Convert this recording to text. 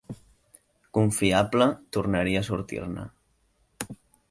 Confiable" tornaria a sortir-ne.